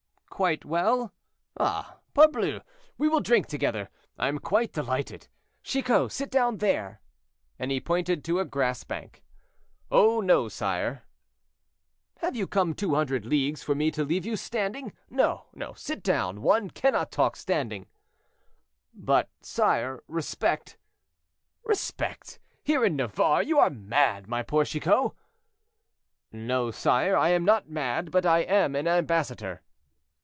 "Quite well? Ah, parbleu! we will drink together, I am quite delighted. Chicot, sit down there." And he pointed to a grass bank. "Oh no, sire!" "Have you come 200 leagues for me to leave you standing? No, no; sit down; one cannot talk standing." "But, sire, respect—" "Respect! here in Navarre! You are mad, my poor Chicot." "No, sire, I am not mad, but I am an ambassador."